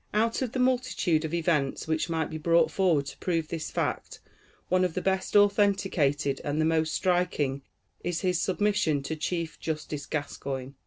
Out of a multitude of events which might be brought forward to prove this fact, one of the best authenticated, and the most striking, is his submission to Chief justice Gascoigne.